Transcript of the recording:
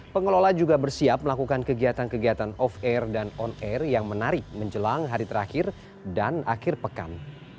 pengelola juga bersiap melakukan kegiatan kegiatan off air dan on air yang menarik menjelang hari terakhir dan akhir pekan